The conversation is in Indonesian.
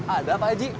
ada pak haji